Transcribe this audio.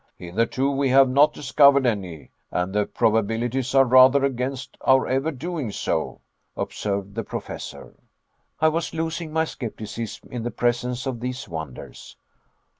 "Hitherto we have not discovered any, and the probabilities are rather against our ever doing so," observed the Professor. I was losing my skepticism in the presence of these wonders.